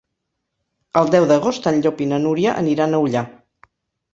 El deu d'agost en Llop i na Núria aniran a Ullà.